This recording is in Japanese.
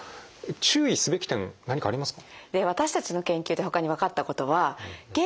注意すべき点何かありますか？